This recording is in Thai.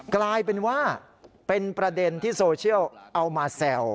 กลายเป็นว่าเป็นประเด็นที่โซเชียลเอามาแซว